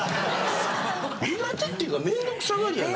苦手っていうかめんどくさがりやな。